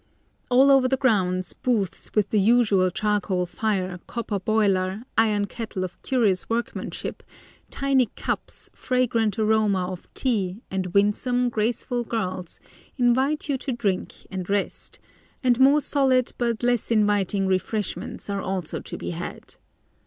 All over the grounds booths with the usual charcoal fire, copper boiler, iron kettle of curious workmanship, tiny cups, fragrant aroma of tea, and winsome, graceful girls, invite you to drink and rest, and more solid but less inviting refreshments are also to be had.